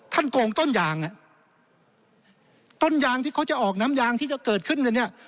โกงต้นยางอ่ะต้นยางที่เขาจะออกน้ำยางที่จะเกิดขึ้นเนี่ย